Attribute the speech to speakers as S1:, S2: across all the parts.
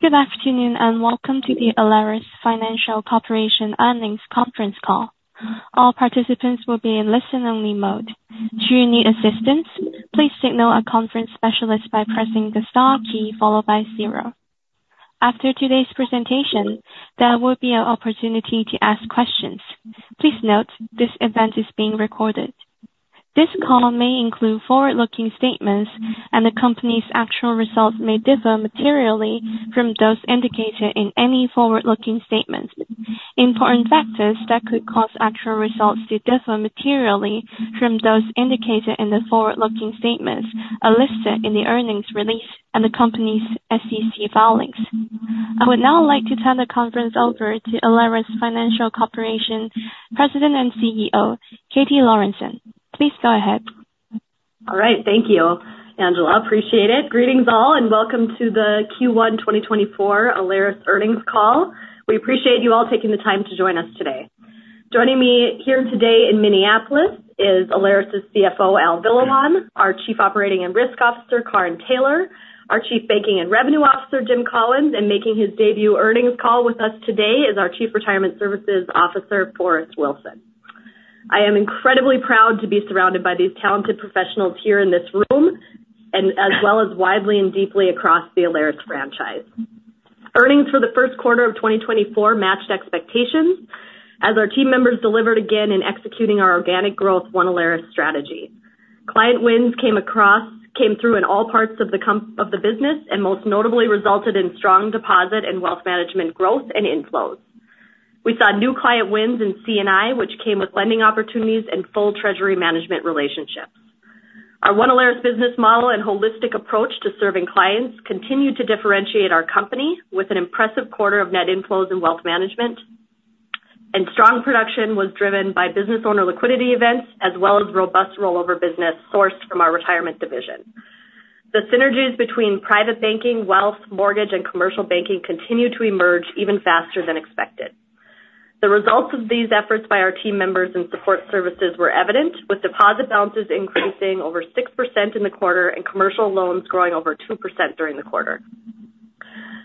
S1: Good afternoon and welcome to the Alerus Financial Corporation Earnings Conference Call. All participants will be in listen-only mode. Should you need assistance, please signal a conference specialist by pressing the star key followed by zero. After today's presentation, there will be an opportunity to ask questions. Please note, this event is being recorded. This call may include forward-looking statements, and the company's actual results may differ materially from those indicated in any forward-looking statements. Important factors that could cause actual results to differ materially from those indicated in the forward-looking statements are listed in the earnings release and the company's SEC filings. I would now like to turn the conference over to Alerus Financial Corporation President and CEO, Katie Lorenson. Please go ahead.
S2: All right. Thank you, Angela. Appreciate it. Greetings all, and welcome to the Q1 2024 Alerus Earnings Call. We appreciate you all taking the time to join us today. Joining me here today in Minneapolis is Alerus's CFO, Al Villalon, our Chief Operating and Risk Officer, Karin Taylor, our Chief Banking and Revenue Officer, Jim Collins, and making his debut earnings call with us today is our Chief Retirement Services Officer, Forrest Wilson. I am incredibly proud to be surrounded by these talented professionals here in this room, as well as widely and deeply across the Alerus franchise. Earnings for the first quarter of 2024 matched expectations, as our team members delivered again in executing our organic growth One Alerus strategy. Client wins came through in all parts of the business, and most notably resulted in strong deposit and wealth management growth and inflows. We saw new client wins in C&I, which came with lending opportunities and full treasury management relationships. Our One Alerus business model and holistic approach to serving clients continued to differentiate our company with an impressive quarter of net inflows in wealth management, and strong production was driven by business owner liquidity events as well as robust rollover business sourced from our Retirement division. The synergies between private banking, wealth, mortgage, and commercial banking continued to emerge even faster than expected. The results of these efforts by our team members and support services were evident, with deposit balances increasing over 6% in the quarter and commercial loans growing over 2% during the quarter.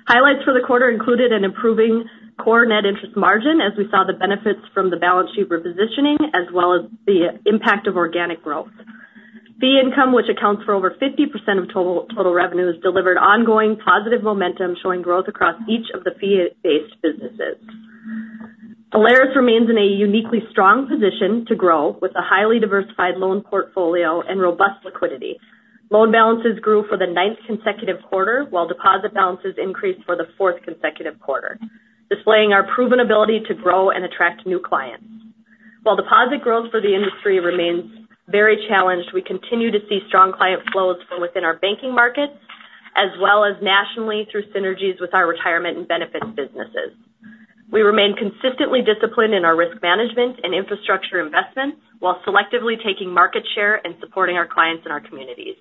S2: Highlights for the quarter included an improving core net interest margin, as we saw the benefits from the balance sheet repositioning, as well as the impact of organic growth. Fee income, which accounts for over 50% of total revenues, delivered ongoing positive momentum, showing growth across each of the fee-based businesses. Alerus remains in a uniquely strong position to grow, with a highly diversified loan portfolio and robust liquidity. Loan balances grew for the ninth consecutive quarter, while deposit balances increased for the fourth consecutive quarter, displaying our proven ability to grow and attract new clients. While deposit growth for the industry remains very challenged, we continue to see strong client flows from within our banking markets, as well as nationally through synergies with our retirement and benefits businesses. We remain consistently disciplined in our risk management and infrastructure investments, while selectively taking market share and supporting our clients in our communities.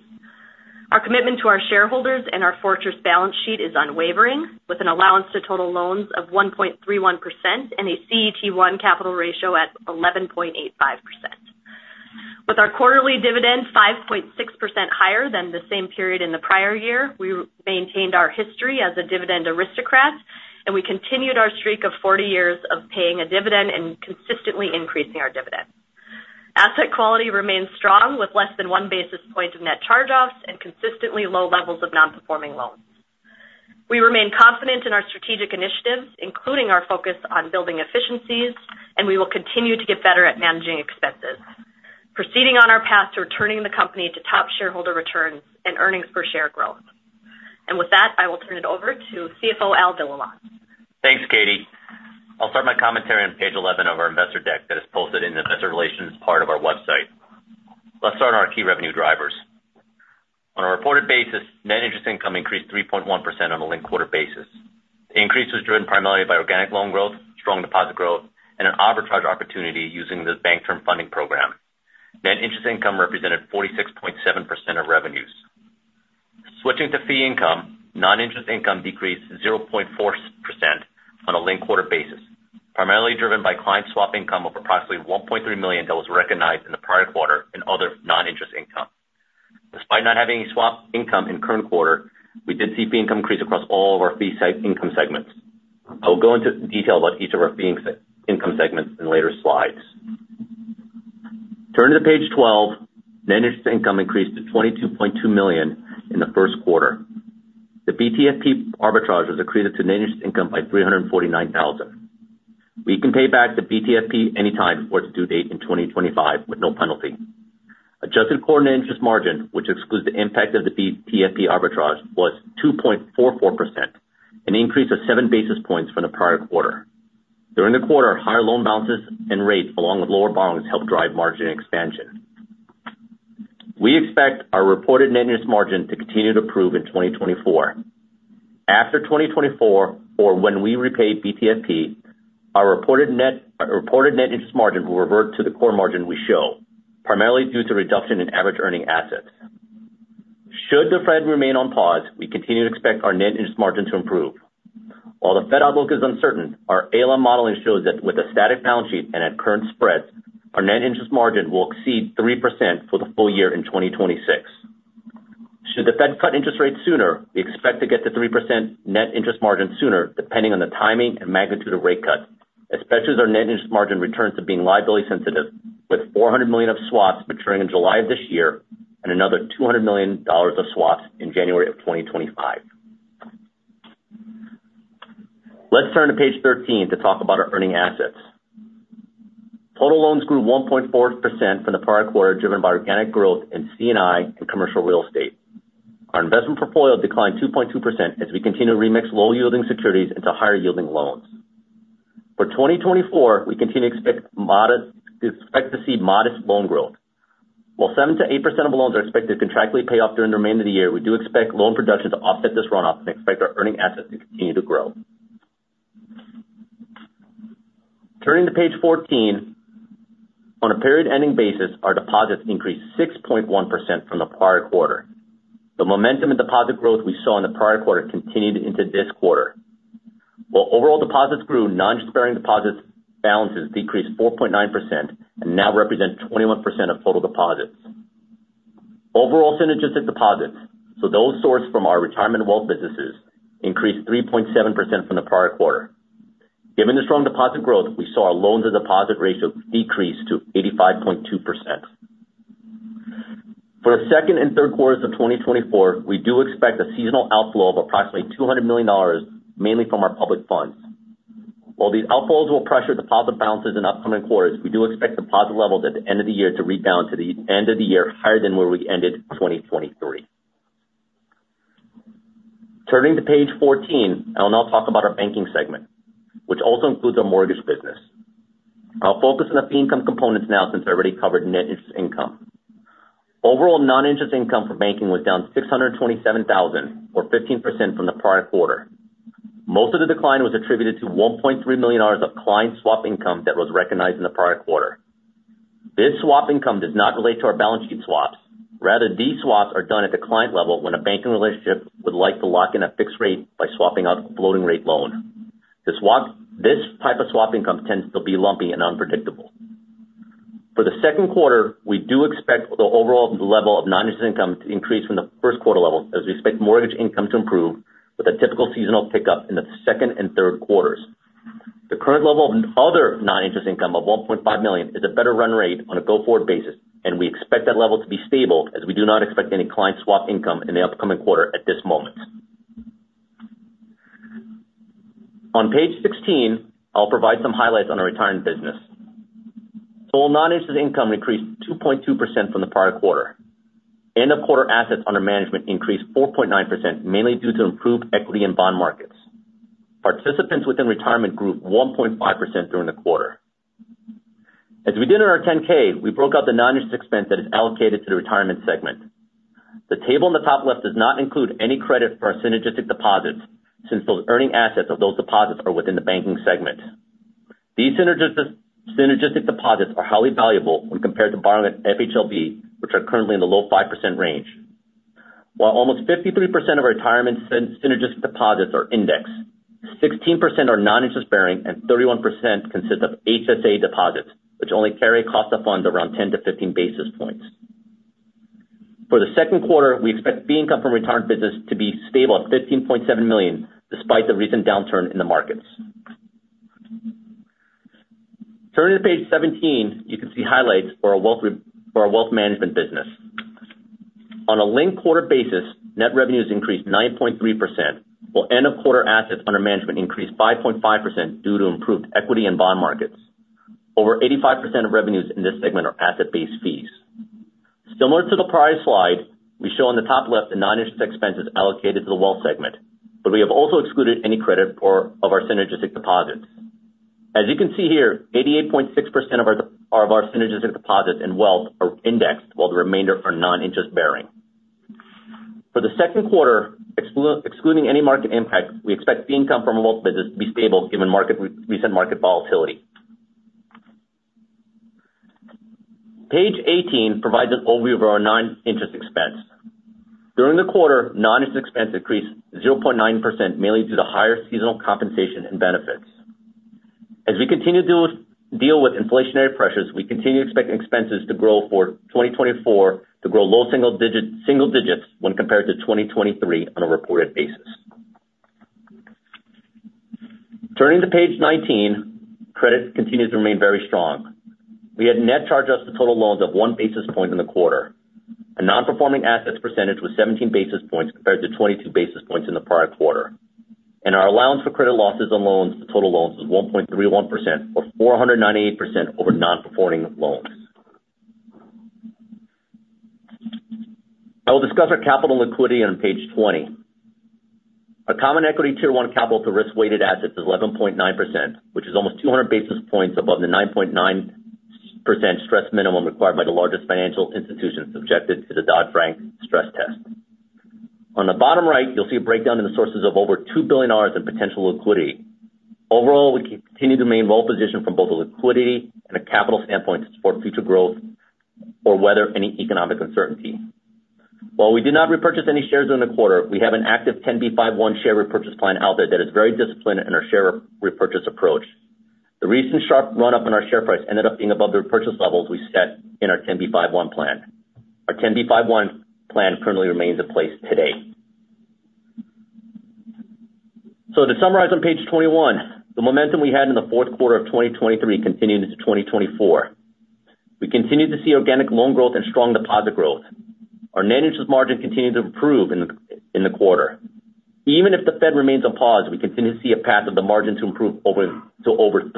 S2: Our commitment to our shareholders and our fortress balance sheet is unwavering, with an allowance to total loans of 1.31% and a CET1 capital ratio at 11.85%. With our quarterly dividend 5.6% higher than the same period in the prior year, we maintained our history as a dividend aristocrat, and we continued our streak of 40 years of paying a dividend and consistently increasing our dividend. Asset quality remains strong, with less than one basis point of net charge-offs and consistently low levels of non-performing loans. We remain confident in our strategic initiatives, including our focus on building efficiencies, and we will continue to get better at managing expenses, proceeding on our path to returning the company to top shareholder returns and earnings per share growth. With that, I will turn it over to CFO Al Villalon.
S3: Thanks, Katie. I'll start my commentary on page 11 of our investor deck that is posted in the investor relations part of our website. Let's start on our key revenue drivers. On a reported basis, net interest income increased 3.1% on a linked-quarter basis. The increase was driven primarily by organic loan growth, strong deposit growth, and an arbitrage opportunity using the Bank Term Funding Program. Net interest income represented 46.7% of revenues. Switching to fee income, non-interest income decreased 0.4% on a linked-quarter basis, primarily driven by client swap income of approximately $1.3 million that was recognized in the prior quarter and other non-interest income. Despite not having any swap income in current quarter, we did see fee income increase across all of our fee income segments. I will go into detail about each of our fee income segments in later slides. Turning to page 12, net interest income increased to $22.2 million in the first quarter. The BTFP arbitrage was accreted to net interest income by $349,000. We can pay back the BTFP anytime before its due date in 2025 with no penalty. Adjusted core net interest margin, which excludes the impact of the BTFP arbitrage, was 2.44%, an increase of 7 basis points from the prior quarter. During the quarter, higher loan balances and rates, along with lower borrowings, helped drive margin expansion. We expect our reported net interest margin to continue to improve in 2024. After 2024, or when we repay BTFP, our reported net interest margin will revert to the core margin we show, primarily due to reduction in average earning assets. Should the Fed remain on pause, we continue to expect our net interest margin to improve. While the Fed outlook is uncertain, our ALM modeling shows that with a static balance sheet and at current spreads, our net interest margin will exceed 3% for the full year in 2026. Should the Fed cut interest rates sooner, we expect to get to 3% net interest margin sooner, depending on the timing and magnitude of rate cuts, especially as our net interest margin returns to being liability-sensitive, with $400 million of swaps maturing in July of this year and another $200 million of swaps in January of 2025. Let's turn to page 13 to talk about our earning assets. Total loans grew 1.4% from the prior quarter, driven by organic growth in C&I and commercial real estate. Our investment portfolio declined 2.2% as we continue to remix low-yielding securities into higher-yielding loans. For 2024, we continue to expect to see modest loan growth. While 7%-8% of loans are expected to contractually pay off during the remainder of the year, we do expect loan production to offset this runoff and expect our earning assets to continue to grow. Turning to page 14, on a period-ending basis, our deposits increased 6.1% from the prior quarter. The momentum in deposit growth we saw in the prior quarter continued into this quarter. While overall deposits grew, non-interest-bearing deposits balances decreased 4.9% and now represent 21% of total deposits. Overall synergistic deposits, so those sourced from our retirement wealth businesses, increased 3.7% from the prior quarter. Given the strong deposit growth, we saw our loans-to-deposit ratio decrease to 85.2%. For the second and third quarters of 2024, we do expect a seasonal outflow of approximately $200 million, mainly from our public funds. While these outflows will pressure deposit balances in upcoming quarters, we do expect deposit levels at the end of the year to rebound to the end of the year higher than where we ended 2023. Turning to page 14, I will now talk about our banking segment, which also includes our mortgage business. I'll focus on the fee income components now since I already covered net interest income. Overall non-interest income for banking was down $627,000, or 15% from the prior quarter. Most of the decline was attributed to $1.3 million of client swap income that was recognized in the prior quarter. This swap income does not relate to our balance sheet swaps. Rather, these swaps are done at the client level when a banking relationship would like to lock in a fixed rate by swapping out a floating-rate loan. This type of swap income tends to be lumpy and unpredictable. For the second quarter, we do expect the overall level of non-interest income to increase from the first quarter level, as we expect mortgage income to improve with a typical seasonal pickup in the second and third quarters. The current level of other non-interest income of $1.5 million is a better run rate on a go-forward basis, and we expect that level to be stable, as we do not expect any client swap income in the upcoming quarter at this moment. On page 16, I'll provide some highlights on our retirement business. Total non-interest income increased 2.2% from the prior quarter. End-of-quarter assets under management increased 4.9%, mainly due to improved equity and bond markets. Participants within retirement grew 1.5% during the quarter. As we did in our 10-K, we broke out the non-interest expense that is allocated to the retirement segment. The table in the top left does not include any credit for our synergistic deposits, since those earning assets of those deposits are within the banking segment. These synergistic deposits are highly valuable when compared to borrowing at FHLB, which are currently in the low 5% range. While almost 53% of our retirement synergistic deposits are indexed, 16% are non-interest bearing, and 31% consist of HSA deposits, which only carry a cost of funds of around 10 basis points-15 basis points. For the second quarter, we expect fee income from retirement business to be stable at $15.7 million, despite the recent downturn in the markets. Turning to page 17, you can see highlights for our wealth management business. On a linked quarter basis, net revenues increased 9.3%, while end-of-quarter assets under management increased 5.5% due to improved equity and bond markets. Over 85% of revenues in this segment are asset-based fees. Similar to the prior slide, we show on the top left the non-interest expenses allocated to the wealth segment, but we have also excluded any credit for our synergistic deposits. As you can see here, 88.6% of our synergistic deposits and wealth are indexed, while the remainder are non-interest bearing. For the second quarter, excluding any market impact, we expect fee income from wealth business to be stable given recent market volatility. Page 18 provides an overview of our non-interest expense. During the quarter, non-interest expense increased 0.9%, mainly due to higher seasonal compensation and benefits. As we continue to deal with inflationary pressures, we continue to expect expenses to grow for 2024 to grow low single digits when compared to 2023 on a reported basis. Turning to page 19, credit continues to remain very strong. We had net charge-offs to total loans of one basis point in the quarter. Our non-performing assets percentage was 17 basis points compared to 22 basis points in the prior quarter. Our allowance for credit losses on loans to total loans was 1.31%, or 498%, over non-performing loans. I will discuss our capital liquidity on page 20. Our Common Equity Tier 1 capital-to-risk-weighted assets is 11.9%, which is almost 200 basis points above the 9.9% stress minimum required by the largest financial institutions subjected to the Dodd-Frank stress test. On the bottom right, you'll see a breakdown in the sources of over $2 billion in potential liquidity. Overall, we continue to remain well-positioned from both a liquidity and a capital standpoint to support future growth or weather any economic uncertainty. While we did not repurchase any shares during the quarter, we have an active 10b5-1 share repurchase plan out there that is very disciplined in our share repurchase approach. The recent sharp runup in our share price ended up being above the repurchase levels we set in our 10b5-1 plan. Our 10b5-1 plan currently remains in place today. So to summarize on page 21, the momentum we had in the fourth quarter of 2023 continued into 2024. We continue to see organic loan growth and strong deposit growth. Our net interest margin continued to improve in the quarter. Even if the Fed remains on pause, we continue to see a path of the margin to improve to over 3%.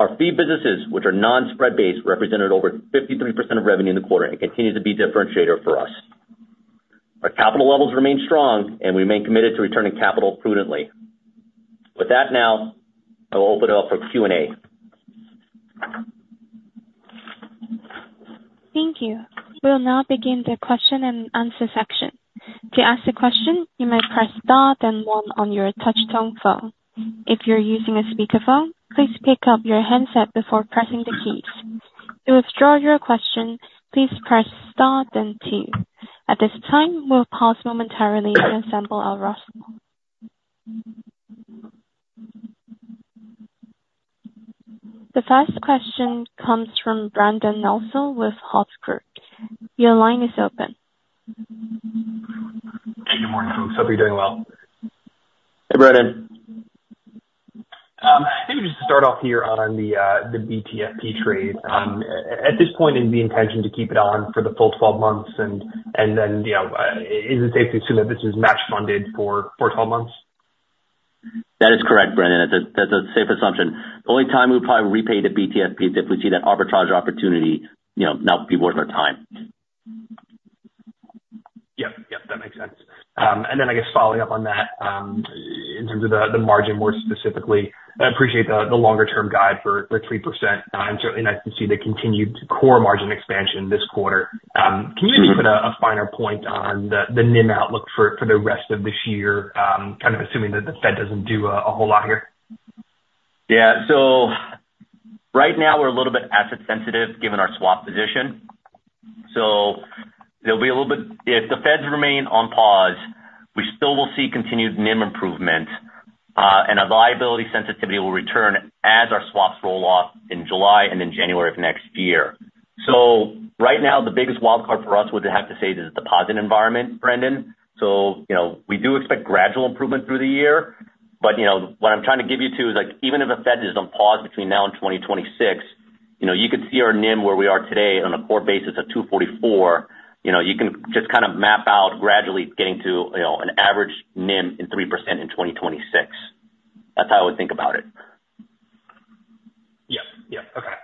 S3: Our fee businesses, which are non-spread-based, represented over 53% of revenue in the quarter and continue to be a differentiator for us. Our capital levels remain strong, and we remain committed to returning capital prudently. With that now, I will open it up for Q&A.
S1: Thank you. We will now begin the question and answer section. To ask a question, you may press star then one on your touch-tone phone. If you're using a speakerphone, please pick up your headset before pressing the keys. To withdraw your question, please press star then two. At this time, we'll pause momentarily to assemble our roster. The first question comes from Brendan Nosal with Hovde Group. Your line is open.
S4: Hey, good morning, folks. Hope you're doing well.
S3: Hey, Brendan.
S4: Maybe just to start off here on the BTFP trade. At this point, is the intention to keep it on for the full 12 months, and then is it safe to assume that this is match-funded for 12 months?
S3: That is correct, Brendan. That's a safe assumption. The only time we would probably repay the BTFP is if we see that arbitrage opportunity not be worth our time.
S4: Yep. Yep. That makes sense. And then, I guess, following up on that, in terms of the margin more specifically, I appreciate the longer-term guide for 3%. It's certainly nice to see the continued core margin expansion this quarter. Can you maybe put a finer point on the NIM outlook for the rest of this year, kind of assuming that the Fed doesn't do a whole lot here?
S3: Yeah. So right now, we're a little bit asset-sensitive given our swap position. So there'll be a little bit if the Fed remains on pause, we still will see continued NIM improvement, and our liability sensitivity will return as our swaps roll off in July and then January of next year. So right now, the biggest wildcard for us, we'd have to say, is the deposit environment, Brendan. So we do expect gradual improvement through the year. But what I'm trying to give you to is even if the Fed is on pause between now and 2026, you could see our NIM where we are today on a core basis of 2.44%. You can just kind of map out gradually getting to an average NIM in 3% in 2026. That's how I would think about it.
S4: Yep. Yep. Okay.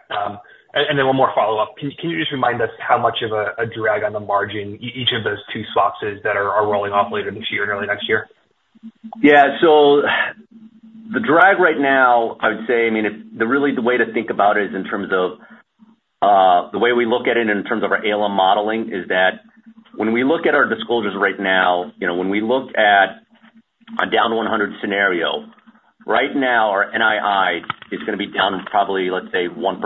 S4: And then one more follow-up. Can you just remind us how much of a drag on the margin each of those two swaps that are rolling off later this year and early next year?
S3: Yeah. So the drag right now, I would say I mean, really, the way to think about it is in terms of the way we look at it in terms of our ALM modeling is that when we look at our disclosures right now, when we look at a down-100 scenario, right now, our NII is going to be down probably, let's say, 1%,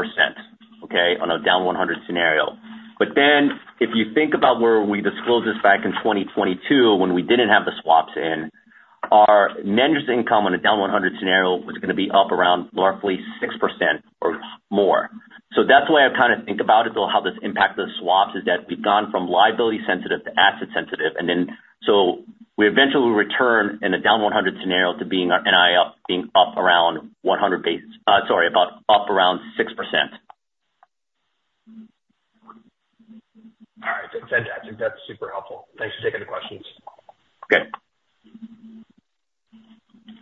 S3: okay, on a down-100 scenario. But then if you think about where we disclosed this back in 2022 when we didn't have the swaps in, our net interest income on a down-100 scenario was going to be up around roughly 6% or more. So that's the way I kind of think about it, though, how this impacts the swaps, is that we've gone from liability-sensitive to asset-sensitive. We eventually will return in a down-100 scenario to our NII being up around 100 basis points, sorry, about up around 6%.
S4: All right. That's fantastic. That's super helpful. Thanks for taking the questions.
S3: Okay.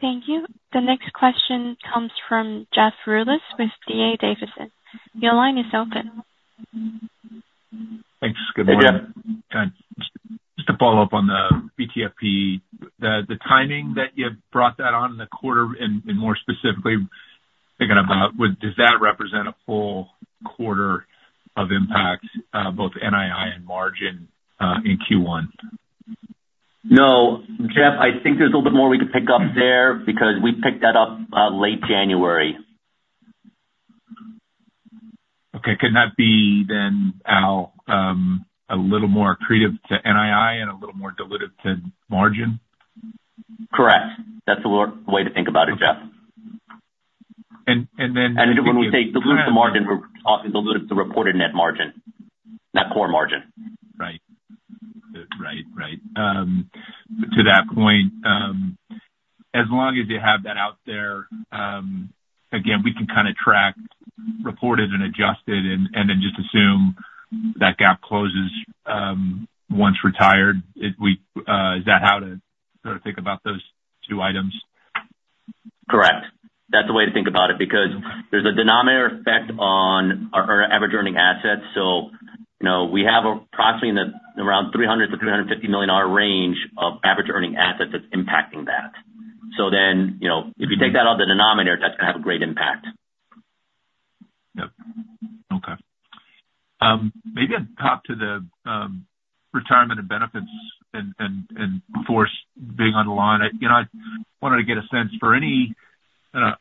S1: Thank you. The next question comes from Jeff Rulis with D.A. Davidson. Your line is open.
S5: Thanks. Good morning.
S3: Hey, Jeff.
S5: Just to follow up on the BTFP, the timing that you brought that on in the quarter and more specifically, thinking about does that represent a full quarter of impact, both NII and margin, in Q1?
S3: No, Jeff, I think there's a little bit more we could pick up there because we picked that up late January.
S5: Okay. Couldn't that be then, Al, a little more accretive to NII and a little more dilutive to margin?
S3: Correct. That's the way to think about it, Jeff.
S5: And then.
S3: When we say dilute the margin, we're often diluting the reported net margin, not core margin.
S5: Right. Right. Right. To that point, as long as you have that out there, again, we can kind of track reported and adjusted and then just assume that gap closes once retired. Is that how to sort of think about those two items?
S3: Correct. That's the way to think about it because there's a denominator effect on our average earning assets. So we have approximately in the around $300 million-$350 million range of average earning assets that's impacting that. So then if you take that out of the denominator, that's going to have a great impact.
S5: Yep. Okay. Maybe I'd pop to the retirement and benefits and Forrest being on the line. I wanted to get a sense for any, I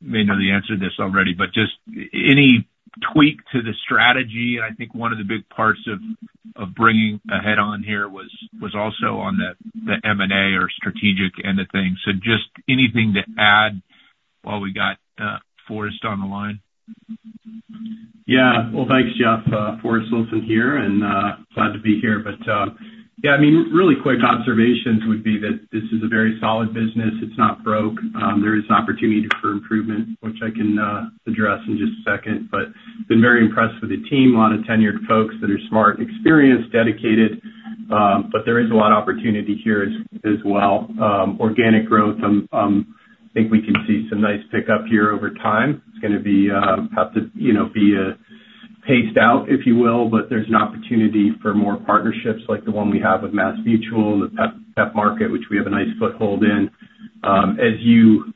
S5: may know the answer to this already, but just any tweak to the strategy. And I think one of the big parts of bringing ahead on here was also on the M&A or strategic end of things. So just anything to add while we got Forrest on the line?
S6: Yeah. Well, thanks, Jeff. Forrest Wilson here, and glad to be here. But yeah, I mean, really quick observations would be that this is a very solid business. It's not broke. There is opportunity for improvement, which I can address in just a second. But I've been very impressed with the team, a lot of tenured folks that are smart, experienced, dedicated. But there is a lot of opportunity here as well. Organic growth, I think we can see some nice pickup here over time. It's going to have to be paced out, if you will, but there's an opportunity for more partnerships like the one we have with MassMutual and the PEP market, which we have a nice foothold in. As you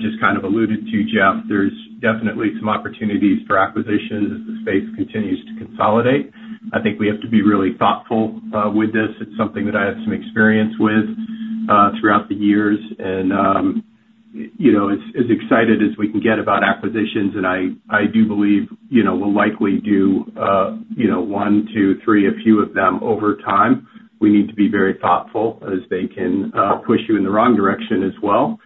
S6: just kind of alluded to, Jeff, there's definitely some opportunities for acquisitions as the space continues to consolidate. I think we have to be really thoughtful with this. It's something that I have some experience with throughout the years. And as excited as we can get about acquisitions, and I do believe we'll likely do one, two, three, a few of them over time, we need to be very thoughtful as they can push you in the wrong direction as well.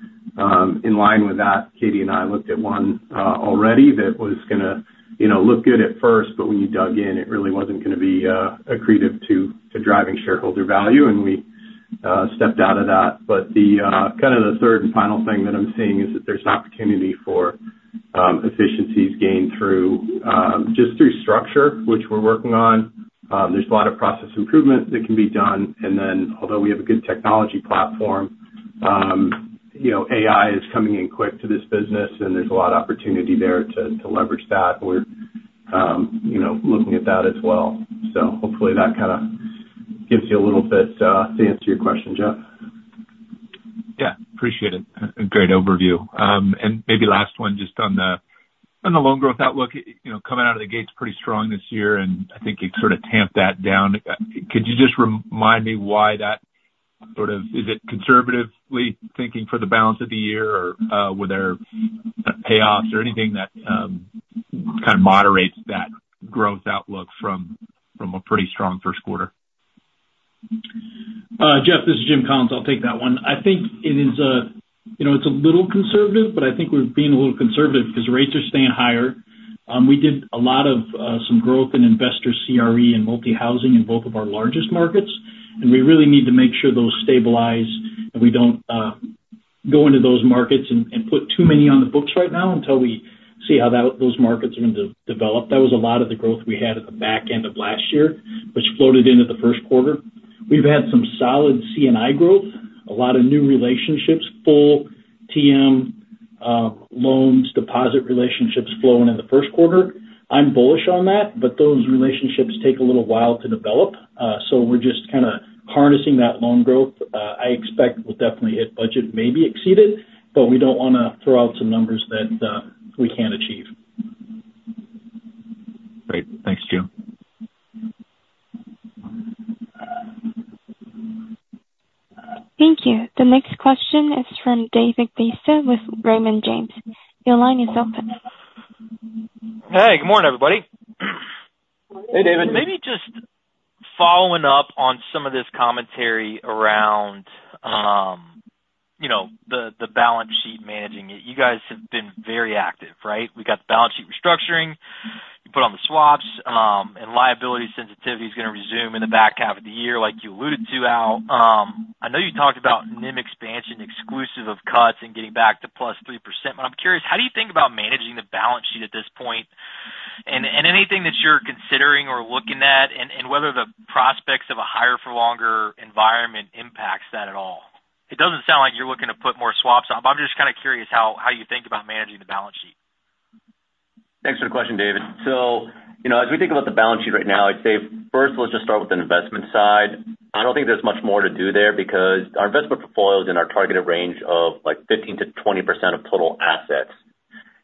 S6: In line with that, Katie and I looked at one already that was going to look good at first, but when you dug in, it really wasn't going to be accretive to driving shareholder value, and we stepped out of that. But kind of the third and final thing that I'm seeing is that there's opportunity for efficiencies gained just through structure, which we're working on. There's a lot of process improvement that can be done. And then although we have a good technology platform, AI is coming in quick to this business, and there's a lot of opportunity there to leverage that. We're looking at that as well. So hopefully, that kind of gives you a little bit to answer your question, Jeff.
S5: Yeah. Appreciate it. Great overview. And maybe last one, just on the loan growth outlook. Coming out of the gate's pretty strong this year, and I think you sort of tamped that down. Could you just remind me why that sort of is it conservatively thinking for the balance of the year, or were there payoffs or anything that kind of moderates that growth outlook from a pretty strong first quarter?
S7: Jeff, this is Jim Collins. I'll take that one. I think it is, it's a little conservative, but I think we're being a little conservative because rates are staying higher. We did a lot of some growth in investor CRE and multi-housing in both of our largest markets, and we really need to make sure those stabilize and we don't go into those markets and put too many on the books right now until we see how those markets are going to develop. That was a lot of the growth we had at the back end of last year, which floated into the first quarter. We've had some solid C&I growth, a lot of new relationships, full TM loans, deposit relationships flowing in the first quarter. I'm bullish on that, but those relationships take a little while to develop. So we're just kind of harnessing that loan growth. I expect we'll definitely hit budget, maybe exceed it, but we don't want to throw out some numbers that we can't achieve.
S5: Great. Thanks, Jim.
S1: Thank you. The next question is from David Feaster with Raymond James. Your line is open.
S8: Hey. Good morning, everybody.
S3: Hey, David.
S8: Maybe just following up on some of this commentary around the balance sheet, managing it. You guys have been very active, right? We got the balance sheet restructuring. You put on the swaps, and liability sensitivity is going to resume in the back half of the year, like you alluded to, Al. I know you talked about NIM expansion exclusive of cuts and getting back to +3%, but I'm curious, how do you think about managing the balance sheet at this point and anything that you're considering or looking at and whether the prospects of a higher-for-longer environment impacts that at all? It doesn't sound like you're looking to put more swaps on, but I'm just kind of curious how you think about managing the balance sheet.
S3: Thanks for the question, David. So as we think about the balance sheet right now, I'd say first, let's just start with the investment side. I don't think there's much more to do there because our investment portfolio is in our targeted range of 15%-20% of total assets.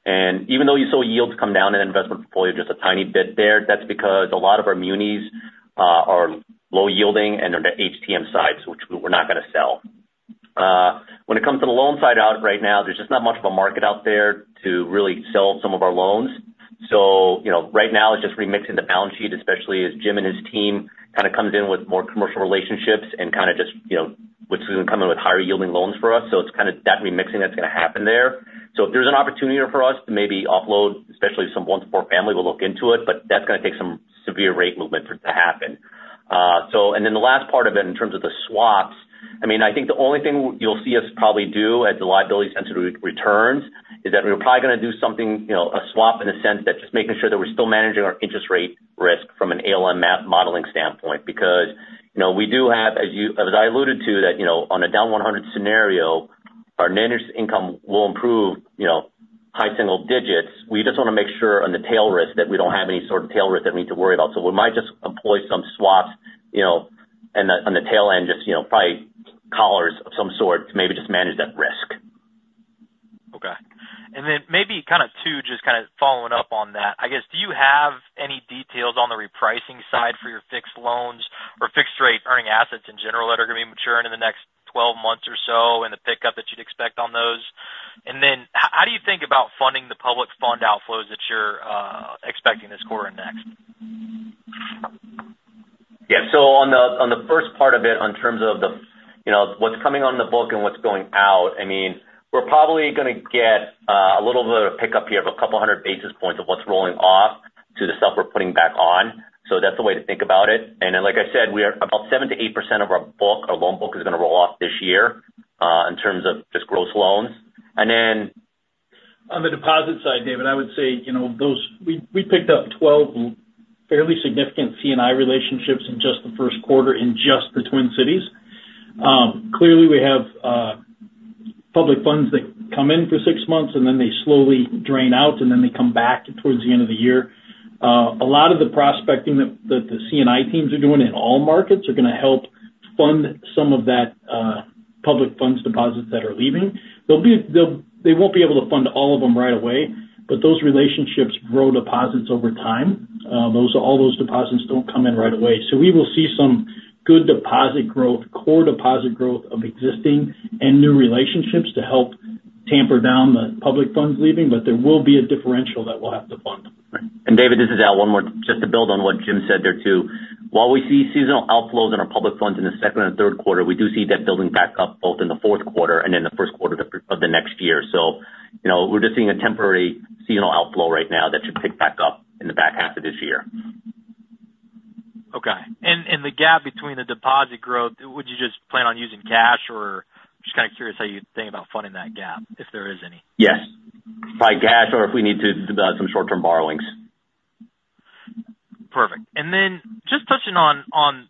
S3: And even though you saw yields come down in an investment portfolio just a tiny bit there, that's because a lot of our munis are low-yielding, and they're the HTM sides, which we're not going to sell. When it comes to the loan side out right now, there's just not much of a market out there to really sell some of our loans. So right now, it's just remixing the balance sheet, especially as Jim and his team kind of comes in with more commercial relationships and kind of just which is going to come in with higher-yielding loans for us. So it's kind of that remixing that's going to happen there. So if there's an opportunity for us to maybe offload, especially some one-to-four family, we'll look into it, but that's going to take some severe rate movement to happen. And then the last part of it, in terms of the swaps, I mean, I think the only thing you'll see us probably do as a liability-sensitive returns is that we're probably going to do something, a swap in the sense that just making sure that we're still managing our interest rate risk from an ALM modeling standpoint because we do have, as I alluded to, that on a down-100 scenario, our net interest income will improve high single digits. We just want to make sure on the tail risk that we don't have any sort of tail risk that we need to worry about. So we might just employ some swaps on the tail end, just probably collars of some sort to maybe just manage that risk.
S8: Okay. And then maybe kind of too, just kind of following up on that, I guess, do you have any details on the repricing side for your fixed loans or fixed-rate earning assets in general that are going to be maturing in the next 12 months or so and the pickup that you'd expect on those? And then how do you think about funding the public fund outflows that you're expecting this quarter and next?
S3: Yeah. So on the first part of it, in terms of what's coming on the book and what's going out, I mean, we're probably going to get a little bit of a pickup here of a couple hundred basis points of what's rolling off to the stuff we're putting back on. So that's the way to think about it. And then, like I said, about 7%-8% of our book, our loan book, is going to roll off this year in terms of just gross loans. And then.
S7: On the deposit side, David, I would say we picked up 12 fairly significant C&I relationships in just the first quarter in just the Twin Cities. Clearly, we have public funds that come in for six months, and then they slowly drain out, and then they come back towards the end of the year. A lot of the prospecting that the C&I teams are doing in all markets are going to help fund some of that public funds deposits that are leaving. They won't be able to fund all of them right away, but those relationships grow deposits over time. All those deposits don't come in right away. So we will see some good deposit growth, core deposit growth of existing and new relationships to help tamper down the public funds leaving, but there will be a differential that we'll have to fund.
S3: Right. And David, this is Al, one more just to build on what Jim said there too. While we see seasonal outflows in our public funds in the second and third quarter, we do see that building back up both in the fourth quarter and in the first quarter of the next year. So we're just seeing a temporary seasonal outflow right now that should pick back up in the back half of this year.
S8: Okay. And the gap between the deposit growth, would you just plan on using cash, or just kind of curious how you think about funding that gap if there is any?
S3: Yes. Probably cash or if we need to develop some short-term borrowings.
S8: Perfect. And then just touching on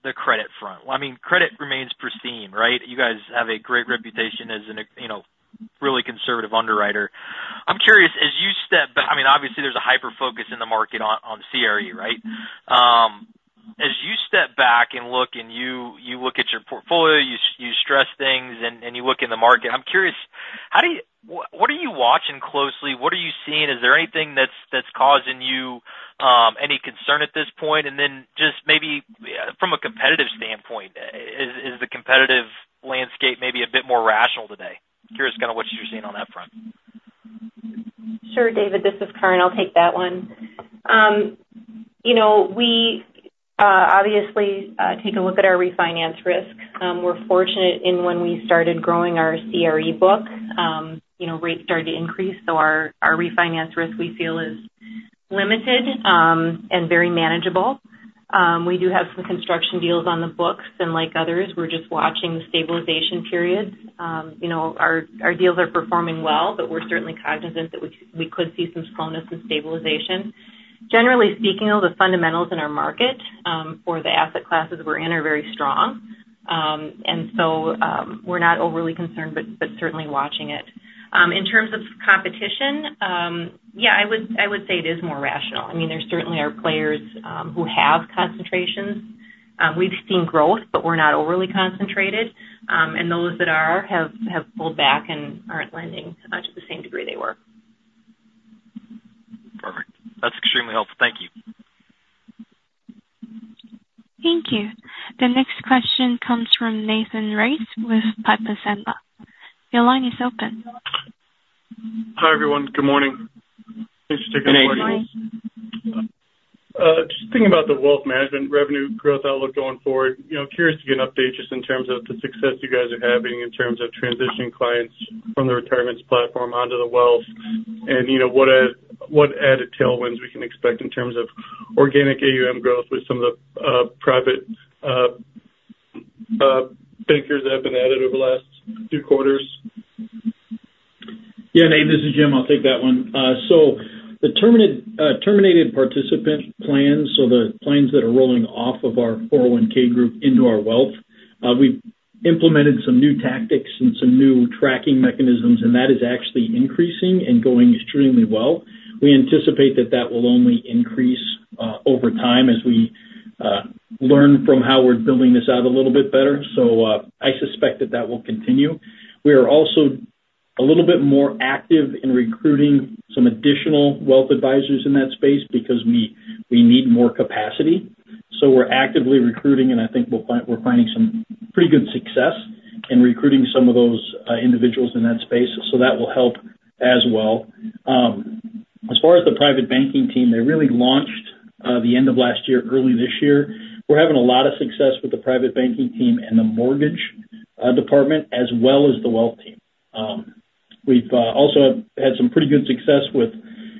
S8: the credit front. I mean, credit remains pristine, right? You guys have a great reputation as a really conservative underwriter. I'm curious, as you step back I mean, obviously, there's a hyper-focus in the market on CRE, right? As you step back and look, and you look at your portfolio, you stress things, and you look in the market, I'm curious, what are you watching closely? What are you seeing? Is there anything that's causing you any concern at this point? And then just maybe from a competitive standpoint, is the competitive landscape maybe a bit more rational today? Curious kind of what you're seeing on that front.
S9: Sure, David. This is Karin. I'll take that one. We obviously take a look at our refinance risk. We're fortunate in when we started growing our CRE book, rates started to increase. So our refinance risk, we feel, is limited and very manageable. We do have some construction deals on the books, and like others, we're just watching the stabilization periods. Our deals are performing well, but we're certainly cognizant that we could see some slowness in stabilization. Generally speaking, though, the fundamentals in our market for the asset classes we're in are very strong. And so we're not overly concerned but certainly watching it. In terms of competition, yeah, I would say it is more rational. I mean, there certainly are players who have concentrations. We've seen growth, but we're not overly concentrated. And those that are have pulled back and aren't lending to the same degree they were.
S8: Perfect. That's extremely helpful. Thank you.
S1: Thank you. The next question comes from Nathan Race with Piper Sandler. Your line is open.
S10: Hi, everyone. Good morning. Thanks for taking the question.
S3: Hey.
S9: Good morning.
S10: Just thinking about the wealth management revenue growth outlook going forward, curious to get an update just in terms of the success you guys are having in terms of transitioning clients from the retirements platform onto the wealth and what added tailwinds we can expect in terms of organic AUM growth with some of the private bankers that have been added over the last few quarters.
S7: Yeah. Hey. This is Jim. I'll take that one. So the terminated participant plans, so the plans that are rolling off of our 401(k) group into our wealth, we've implemented some new tactics and some new tracking mechanisms, and that is actually increasing and going extremely well. We anticipate that that will only increase over time as we learn from how we're building this out a little bit better. So I suspect that that will continue. We are also a little bit more active in recruiting some additional wealth advisors in that space because we need more capacity. So we're actively recruiting, and I think we're finding some pretty good success in recruiting some of those individuals in that space. So that will help as well. As far as the private banking team, they really launched the end of last year, early this year. We're having a lot of success with the private banking team and the mortgage department as well as the wealth team. We've also had some pretty good success with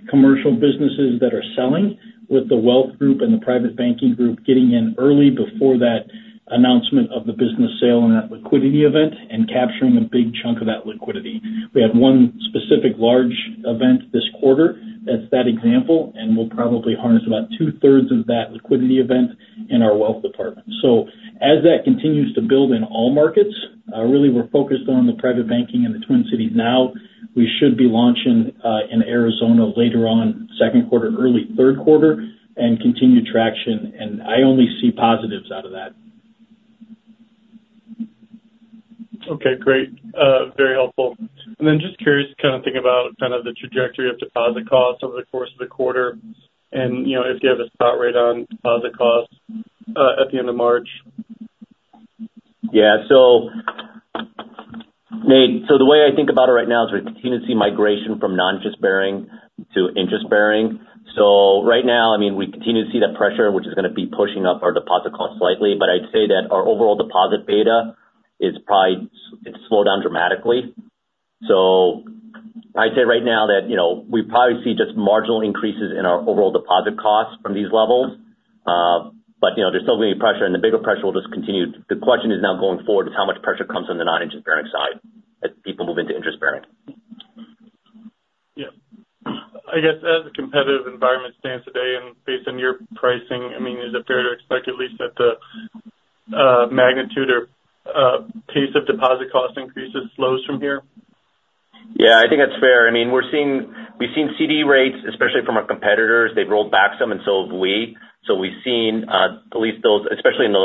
S7: commercial businesses that are selling, with the wealth group and the private banking group getting in early before that announcement of the business sale and that liquidity event and capturing a big chunk of that liquidity. We had one specific large event this quarter. That's that example, and we'll probably harness about 2/3 of that liquidity event in our wealth department. So as that continues to build in all markets, really, we're focused on the private banking and the Twin Cities now. We should be launching in Arizona later on, second quarter, early third quarter, and continue traction. I only see positives out of that.
S10: Okay. Great. Very helpful. And then just curious to kind of think about kind of the trajectory of deposit costs over the course of the quarter and if you have a spot rate on deposit costs at the end of March?
S3: Yeah. So the way I think about it right now is we continue to see migration from non-interest bearing to interest bearing. So right now, I mean, we continue to see that pressure, which is going to be pushing up our deposit costs slightly. But I'd say that our overall deposit beta has slowed down dramatically. So I'd say right now that we probably see just marginal increases in our overall deposit costs from these levels, but there's still going to be pressure, and the bigger pressure will just continue. The question is now going forward is how much pressure comes on the non-interest bearing side as people move into interest bearing.
S10: Yeah. I guess as the competitive environment stands today and based on your pricing, I mean, is it fair to expect, at least, that the magnitude or pace of deposit cost increases slows from here?
S3: Yeah. I think that's fair. I mean, we've seen CD rates, especially from our competitors. They've rolled back some and so have we. So we've seen at least those, especially in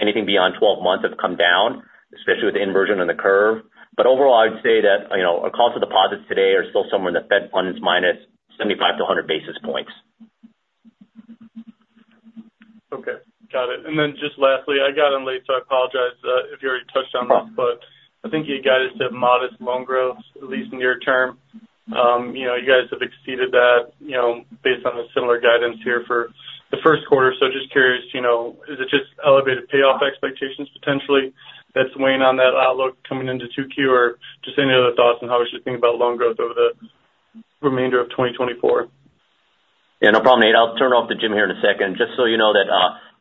S3: anything beyond 12 months, have come down, especially with the inversion on the curve. But overall, I'd say that our cost of deposits today are still somewhere in the Fed funds -75 to -100 basis points.
S10: Okay. Got it. And then just lastly, I got in late, so I apologize if you already touched on this, but I think you guys have modest loan growth, at least near term. You guys have exceeded that based on the similar guidance here for the first quarter. So just curious, is it just elevated payoff expectations potentially that's weighing on that outlook coming into 2Q, or just any other thoughts on how we should think about loan growth over the remainder of 2024?
S3: Yeah. No problem, Nate. I'll turn it over to Jim here in a second. Just so you know that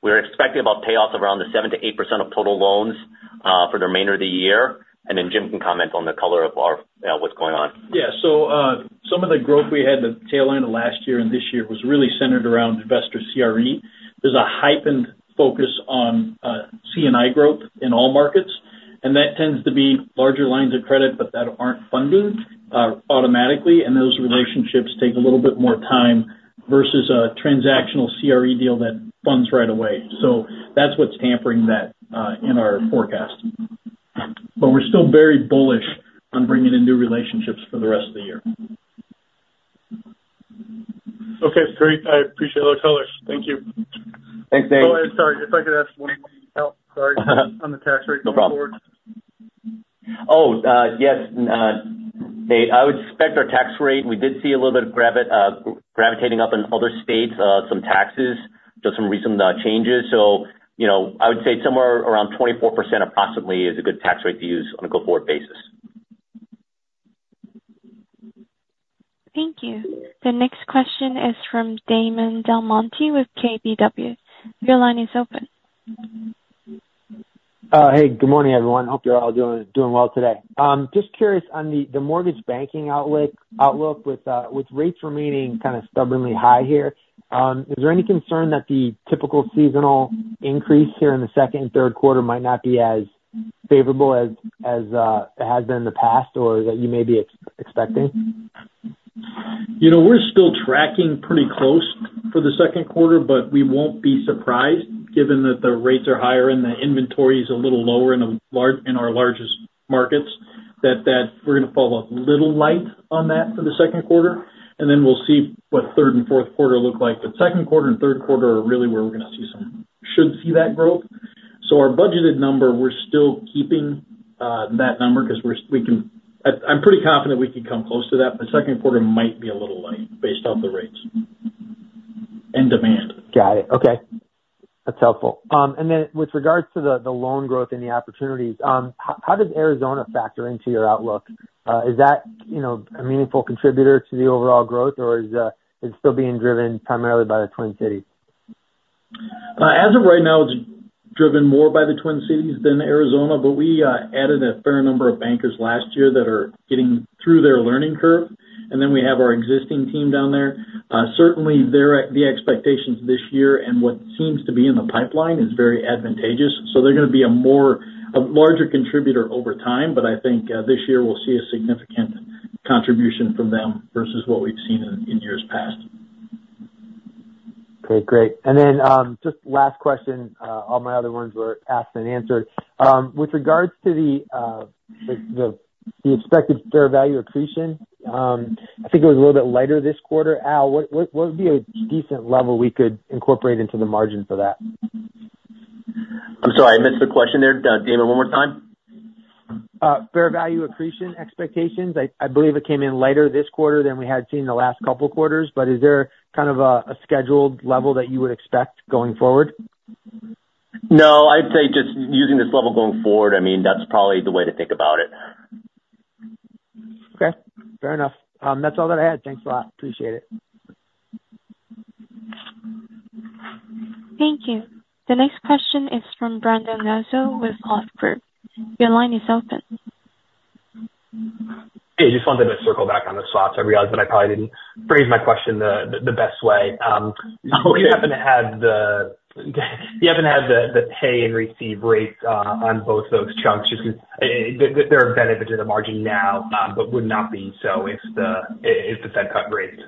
S3: we're expecting about payoffs of around the 7%-8% of total loans for the remainder of the year. And then Jim can comment on the color of what's going on.
S7: Yeah. So some of the growth we had in the tail end of last year and this year was really centered around investor CRE. There's a heightened focus on C&I growth in all markets, and that tends to be larger lines of credit, but that aren't funding automatically. And those relationships take a little bit more time versus a transactional CRE deal that funds right away. So that's what's tempering that in our forecast. But we're still very bullish on bringing in new relationships for the rest of the year.
S10: Okay. Great. I appreciate that, Collins. Thank you.
S3: Thanks, Nate.
S10: Oh, and sorry, if I could ask one more thing. Oh, sorry. On the tax rate going forward.
S3: No problem. Oh, yes, Nate. I would suspect our tax rate. We did see a little bit of gravitating up in other states, some taxes, just some recent changes. So I would say somewhere around 24% approximately is a good tax rate to use on a go-forward basis.
S1: Thank you. The next question is from Damon DelMonte with KBW. Your line is open.
S11: Hey. Good morning, everyone. Hope you're all doing well today. Just curious on the mortgage banking outlook, with rates remaining kind of stubbornly high here, is there any concern that the typical seasonal increase here in the second and third quarter might not be as favorable as it has been in the past or that you may be expecting?
S7: We're still tracking pretty close for the second quarter, but we won't be surprised given that the rates are higher and the inventory is a little lower in our largest markets, that we're going to follow up a little light on that for the second quarter. And then we'll see what third and fourth quarter look like. But second quarter and third quarter are really where we're going to see some should see that growth. So our budgeted number, we're still keeping that number because we can, I'm pretty confident we can come close to that, but second quarter might be a little light based off the rates and demand.
S11: Got it. Okay. That's helpful. And then with regards to the loan growth and the opportunities, how does Arizona factor into your outlook? Is that a meaningful contributor to the overall growth, or is it still being driven primarily by the Twin Cities?
S7: As of right now, it's driven more by the Twin Cities than Arizona, but we added a fair number of bankers last year that are getting through their learning curve. And then we have our existing team down there. Certainly, the expectations this year and what seems to be in the pipeline is very advantageous. So they're going to be a larger contributor over time, but I think this year we'll see a significant contribution from them versus what we've seen in years past.
S11: Okay. Great. And then just last question. All my other ones were asked and answered. With regards to the expected fair value accretion, I think it was a little bit lighter this quarter. Al, what would be a decent level we could incorporate into the margin for that?
S3: I'm sorry. I missed the question there. Damon, one more time?
S11: Fair value accretion expectations. I believe it came in lighter this quarter than we had seen the last couple of quarters. But is there kind of a scheduled level that you would expect going forward?
S3: No. I'd say just using this level going forward, I mean, that's probably the way to think about it.
S11: Okay. Fair enough. That's all that I had. Thanks a lot. Appreciate it.
S1: Thank you. The next question is from Brendan Nosal with Hovde Group. Your line is open.
S4: Hey. I just wanted to circle back on the swaps. I realized that I probably didn't phrase my question the best way. We happen to have the pay and receive rates on both those chunks just because there are benefits to the margin now but would not be so if the Fed cut rates.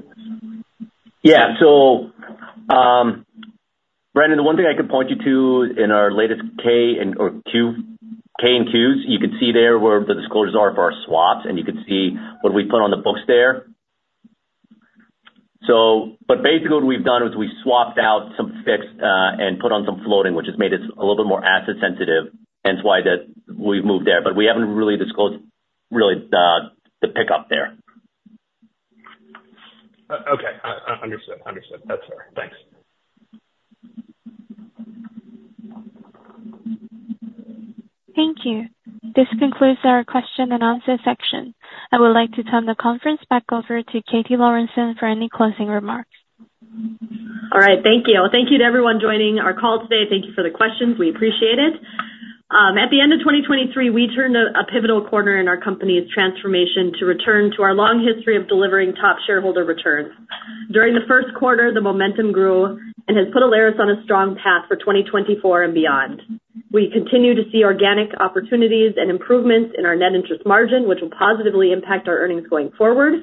S3: Yeah. So Brendan, the one thing I could point you to in our latest K and Qs, you could see there where the disclosures are for our swaps, and you could see what we put on the books there. But basically, what we've done is we swapped out some fixed and put on some floating, which has made it a little bit more asset-sensitive. Hence why we've moved there. But we haven't really disclosed really the pickup there.
S4: Okay. Understood. Understood. That's fair. Thanks.
S1: Thank you. This concludes our question and answer section. I would like to turn the conference back over to Katie Lorenson for any closing remarks.
S2: All right. Thank you. Thank you to everyone joining our call today. Thank you for the questions. We appreciate it. At the end of 2023, we turned a pivotal corner in our company's transformation to return to our long history of delivering top shareholder returns. During the first quarter, the momentum grew and has put Alerus on a strong path for 2024 and beyond. We continue to see organic opportunities and improvements in our net interest margin, which will positively impact our earnings going forward.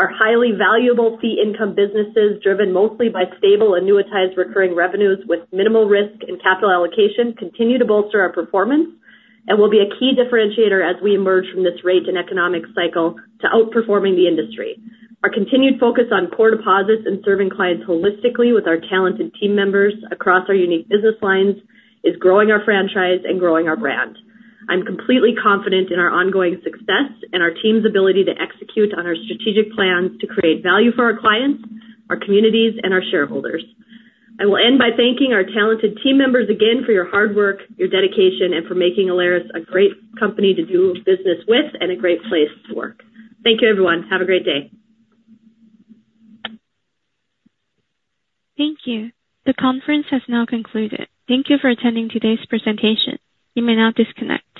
S2: Our highly valuable fee-income businesses, driven mostly by stable annuitized recurring revenues with minimal risk and capital allocation, continue to bolster our performance and will be a key differentiator as we emerge from this rate and economic cycle to outperforming the industry. Our continued focus on core deposits and serving clients holistically with our talented team members across our unique business lines is growing our franchise and growing our brand. I'm completely confident in our ongoing success and our team's ability to execute on our strategic plans to create value for our clients, our communities, and our shareholders. I will end by thanking our talented team members again for your hard work, your dedication, and for making Alerus a great company to do business with and a great place to work. Thank you, everyone. Have a great day.
S1: Thank you. The conference has now concluded. Thank you for attending today's presentation. You may now disconnect.